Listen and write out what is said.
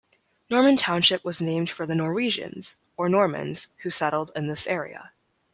Norman Township was named for the Norwegians, or Normans, who settled in this area.